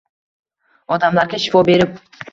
Odamlarga shifo berib